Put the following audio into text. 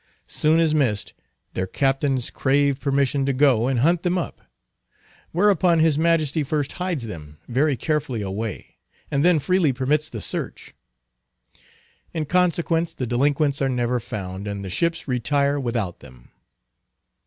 Soon as missed, their captains crave permission to go and hunt them up. Whereupon His Majesty first hides them very carefully away, and then freely permits the search. In consequence, the delinquents are never found, and the ships retire without them.